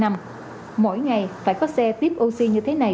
mỗi ngày phải có xe vip oxy như thế này